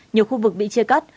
nhiều khu vực bị chia cắt